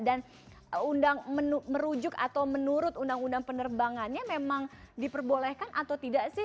dan undang merujuk atau menurut undang undang penerbangannya memang diperbolehkan atau tidak sih